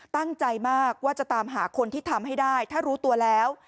ตั้งใจมากว่าจะตามหาคนที่ทำให้ได้ถ้ารู้ตัวแล้ว